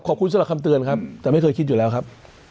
สำหรับคำเตือนครับแต่ไม่เคยคิดอยู่แล้วครับ